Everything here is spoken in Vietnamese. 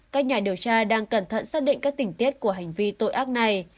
các nhà điều tra đang cẩn thận xác định các tỉnh tiết của hành vi tội ác này